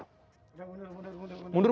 mudah mundur mundur mundur